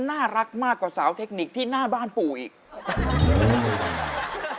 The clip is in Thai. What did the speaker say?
น่ารักมากกว่าสาวเทคนิคที่หน้าบ้านปู่อีก